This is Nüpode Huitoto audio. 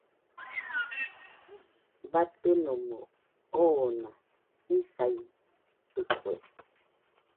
Batɨnomo oona isaitɨkue.